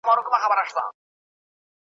بس قسمت دی و هر چا ته حق رسیږي ,